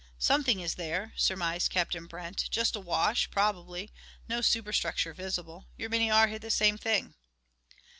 "Something is there," surmised Captain Brent, "just awash, probably no superstructure visible. Your Minnie R. hit the same thing."